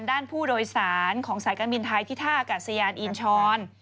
ด้านผู้โดยสารของสายการบินไทยที่ท่าอากาศยานอินชร